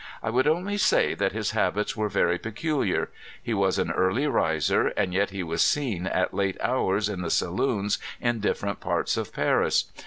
I would only say that his habits were very peculiar. He was an early riser, and yet he was seen at late hours in the saloons in differ ent parts of Paris.